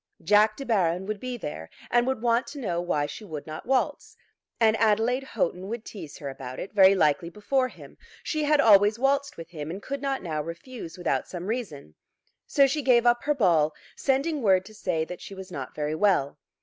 Jack De Baron would be there, and would want to know why she would not waltz. And Adelaide Houghton would tease her about it, very likely before him. She had always waltzed with him, and could not now refuse without some reason. So she gave up her ball, sending word to say that she was not very well.